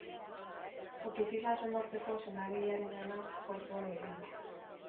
Otitisa sendatzeko sendagilearengana jo zuen berehala.